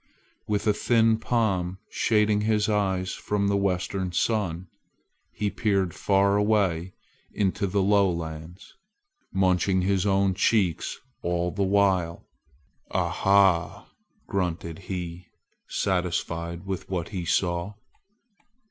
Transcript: With a thin palm shading his eyes from the western sun, he peered far away into the lowlands, munching his own cheeks all the while. "Ah ha!" grunted he, satisfied with what he saw.